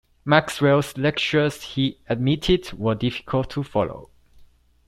Maxwell's lectures, he admitted, were difficult to follow.